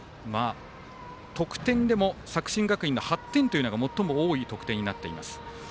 得点でも作新学院の８点が最も多い得点になっています。